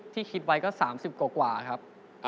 คิดไว้ก็๓๐กว่าครับ